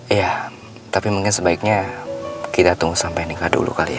iya tapi mungkin sebaiknya kita tunggu sampai nikah dulu kali ya